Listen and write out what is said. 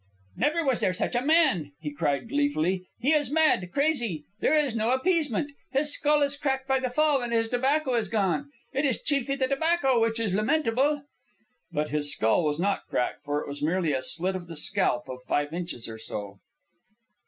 "Never was there such a man!" he cried, gleefully. "He is mad, crazy! There is no appeasement. His skull is cracked by the fall, and his tobacco is gone. It is chiefly the tobacco which is lamentable." But his skull was not cracked, for it was merely a slit of the scalp of five inches or so.